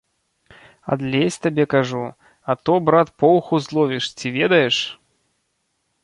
Адлезь, табе кажу, а то, брат, поўху зловіш, ці ведаеш!